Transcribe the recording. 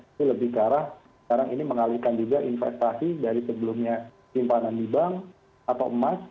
itu lebih ke arah sekarang ini mengalihkan juga investasi dari sebelumnya simpanan di bank atau emas